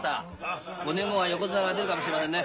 あ？５年後は横綱が出るかもしれませんね。